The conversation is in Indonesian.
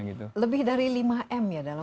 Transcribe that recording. lebih dari lima m ya dalam